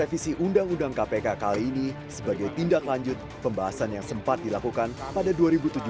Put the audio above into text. dianggap sebagai upaya pelaksanaan